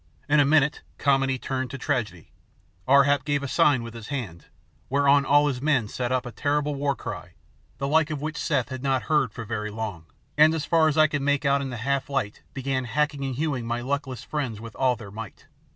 In a minute comedy turned to tragedy. Ar hap gave a sign with his hand, whereon all his men set up a terrible warcry, the like of which Seth had not heard for very long, and as far as I could make out in the half light began hacking and hewing my luckless friends with all their might.